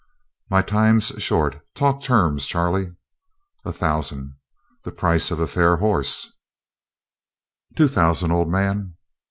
"My time's short. Talk terms, Charlie." "A thousand." "The price of a fair hoss." "Two thousand, old man."